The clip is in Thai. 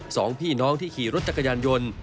สองพี่น้องที่ขี่รถจักรยานยนต์